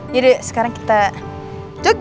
jadi sekarang kita jogging